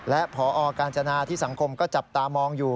และพอกาญจนาที่สังคมก็จับตามองอยู่